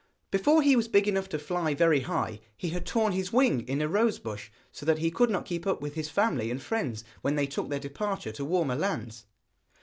Before he was big enough to fly very high he had torn his wing in a rosebush, so that he could not keep up with his family and friends when they took their departure to warmer lands.